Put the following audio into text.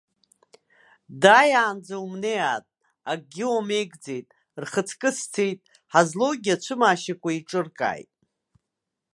Дааиаанӡа умнеиааит, акгьы уамеигӡеит, рхаҵкы сцеит, ҳазлоугьы ацәымаашьакәа еиҿыркааит.